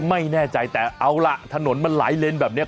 ไม่แน่ใจแต่เอาล่ะถนนมันหลายเลนแบบนี้